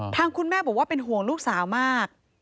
ทางคุณแม่บอกว่าเป็นห่วงลูกสาวมาก